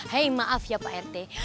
hei maaf ya pak rt